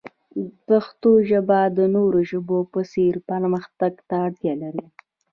پښتو ژبه د نورو ژبو په څیر پرمختګ ته اړتیا لري.